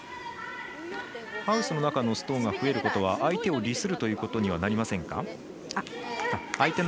ハウスの中のストーンを増やすことは相手の利益になるということはありませんか？